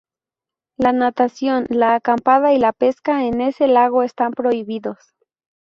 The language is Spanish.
La natación, la acampada y la pesca en ese lago están prohibidos.